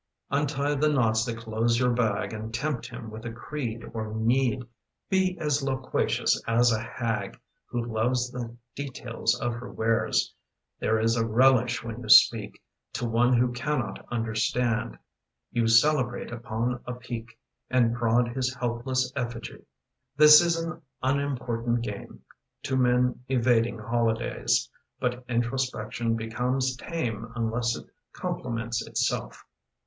Untie the knots that close your bag And tempt him with a creed or need. Be as loquacious as a hag Who loves the details of her wares. There is a relish when you speak To one who cannot understand: You celebrate upon a peak And prod his helpless effigy. This is an unimportant game To men evading holidays, But introspection becomes tame Unless it compliments itself.